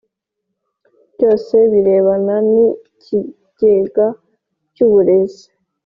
Byose birebana n ikigega cy uburezi